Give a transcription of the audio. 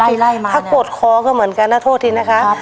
เขากดไล่ไล่มาเนี้ยถ้ากดคอก็เหมือนกันนะโทษทีนะคะครับ